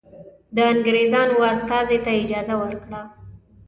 د انګرېزانو استازي ته اجازه ورکړه.